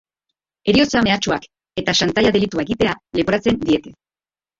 Heriotza mehatxuak eta xantaia delitua egitea leporatzen diete.